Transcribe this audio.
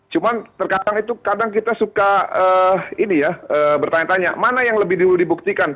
cuma terkadang itu kadang kita suka bertanya tanya mana yang lebih dulu dibuktikan